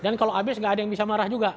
dan kalau habis nggak ada yang bisa marah juga